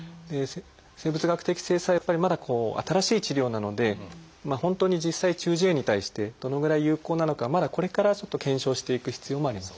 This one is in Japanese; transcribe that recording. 生物学的製剤はやっぱりまだこう新しい治療なので本当に実際中耳炎に対してどのぐらい有効なのかまだこれからちょっと検証していく必要もあります。